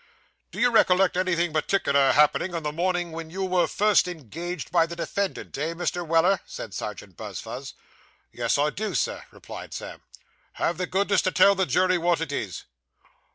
'Do you recollect anything particular happening on the morning when you were first engaged by the defendant; eh, Mr. Weller?' said Serjeant Buzfuz. 'Yes, I do, sir,' replied Sam. 'Have the goodness to tell the jury what it was.